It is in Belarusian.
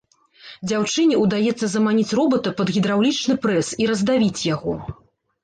Дзяўчыне ўдаецца заманіць робата пад гідраўлічны прэс і раздавіць яго.